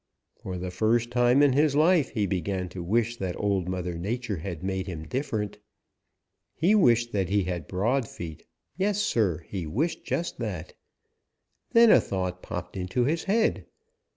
For the first time in his life he began to wish that Old Mother Nature had made him different. He wished that he had broad feet. Yes, Sir, he wished just that. Then a thought popped into his head.